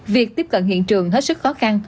việc tiếp cận hiện trường hết sức khó khăn